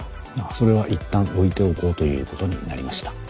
それはいったん置いておこうということになりました。